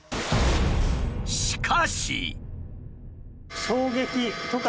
しかし。